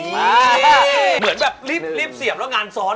เหมือนแบบริบเสียบแล้วกังงานซ้อน